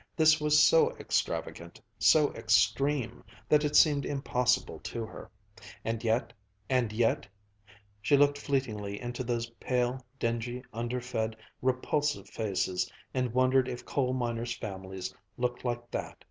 This was so extravagant, so extreme, that it seemed impossible to her. And yet and yet She looked fleetingly into those pale, dingy, underfed, repulsive faces and wondered if coal miners' families looked like that.